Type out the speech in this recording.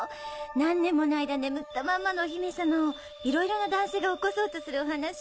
何年もの間眠ったまんまのお姫様をいろいろな男性が起こそうとするお話！